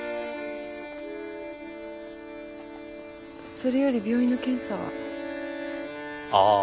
それより病院の検査は。ああ。